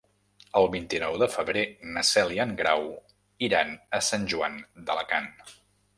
El vint-i-nou de febrer na Cel i en Grau iran a Sant Joan d'Alacant.